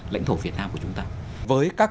lãnh thổ việt nam của chúng ta với các